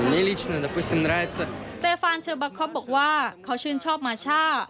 ไม่ต้องสงสัยสเตฟานเชอบัคค็อปบอกว่าเขาชื่นชอบมาช่า